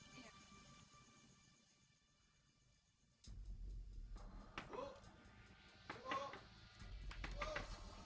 terima kasih pak haji